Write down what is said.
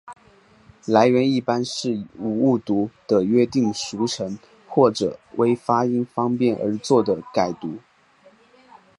来源一般是误读的约定俗成或者为发音方便而作的改读。